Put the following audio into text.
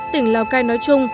tỉnh lào cai nói chung